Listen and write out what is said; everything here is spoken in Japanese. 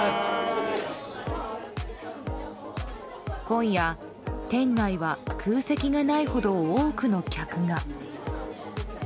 今夜、店内は空席がないほど多くの客が。